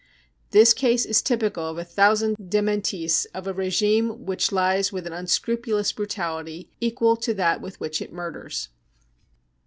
This case is typical of a thousand dementis of a regime which lies with an unscrupu lous brutality equal to that with which it murders.